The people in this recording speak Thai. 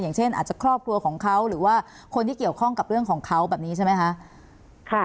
อย่างเช่นอาจจะครอบครัวของเขาหรือว่าคนที่เกี่ยวข้องกับเรื่องของเขาแบบนี้ใช่ไหมคะ